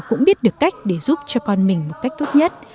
cũng biết được cách để giúp cho con mình một cách tốt nhất